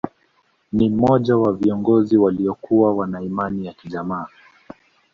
Ni mmoja wa viongozi waliokua wana Imani ya kijamaa